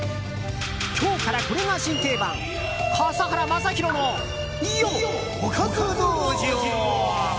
今日からこれが新定番笠原将弘のおかず道場。